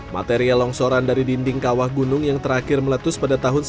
materia longsoran dari dinding kawah gunung yang terakhir meletus pada tahun dua ribu tujuh belas